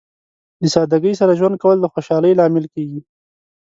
د سادګۍ سره ژوند کول د خوشحالۍ لامل کیږي.